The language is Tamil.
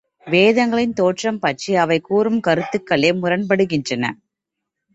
வேதங்களின் தோற்றம் பற்றி அவை கூறும் கருத்துக்களே முரண்படுகின்றன.